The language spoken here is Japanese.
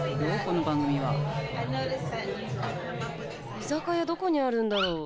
居酒屋どこにあるんだろう。